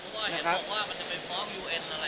เพราะว่าเห็นบอกว่ามันจะเป็นฟอร์มยูเอส